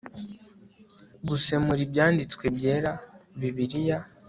gusemura ibyanditswe byera bibiliya